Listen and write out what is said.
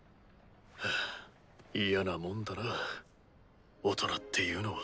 はぁ嫌なもんだな大人っていうのは。